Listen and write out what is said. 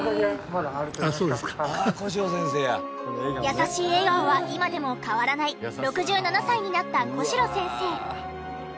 優しい笑顔は今でも変わらない６７歳になった小代先生。